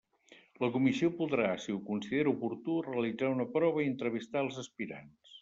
La comissió podrà, si ho considera oportú, realitzar una prova i entrevistar els aspirants.